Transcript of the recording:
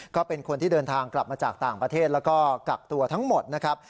ก็เป็นคนที่เดินทางกลับมาจากต่างประเทศแล้วก็กักตัวทั้งหมดนะครับ